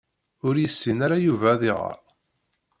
Ur yessin ara Yuba ad iɣeṛ.